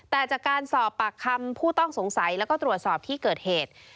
แต่จากการสอบปากคำผู้ต้องสงสัยแล้วก็ตรวจสอบที่เกิดเหตุ